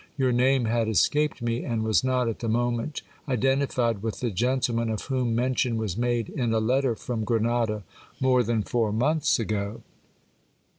Your name had escaped me, and was not at the moment identified with the gentleman, of whom mention was made in a letter from Grenada more than four months ago.